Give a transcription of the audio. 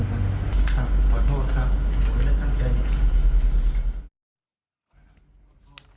ขอโทษครับผมไม่ได้ตั้งใจ